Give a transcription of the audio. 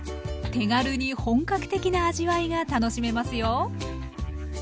手軽に本格的な味わいが楽しめますよ。